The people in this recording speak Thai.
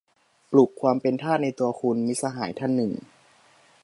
"ปลุกความเป็นทาสในตัวคุณ" - มิตรสหายท่านหนึ่ง